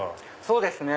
そうですね